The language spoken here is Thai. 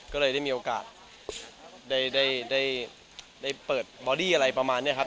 ก็เลยได้มีโอกาสได้เปิดบอดี้อะไรประมาณนี้ครับ